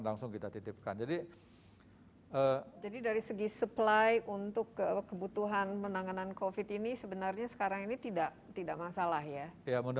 ya untuk icu